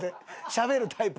しゃべるタイプ。